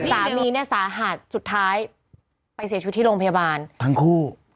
สามีเนี่ยสาหัสสุดท้ายไปเสียชีวิตที่โรงพยาบาลทั้งคู่